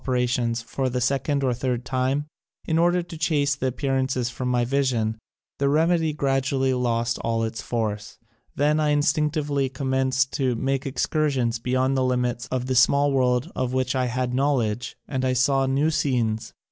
299 A B'way, N.Y. SPECIALISTS IN DESIGN AN DCONSTRUCTION February, 1919 appearances from my vision, the remedy gradually lost all its force. Then I in stinctively commenced to make excursions beyond the limits of the small world of which I had knowledge, and I saw new scenes.